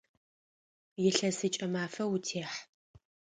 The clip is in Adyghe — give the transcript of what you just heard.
Илъэсыкӏэ мафэ утехь!